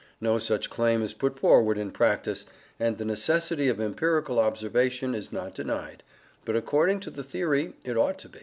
No such claim is put forward in practice, and the necessity of empirical observation is not denied; but according to the theory it ought to be.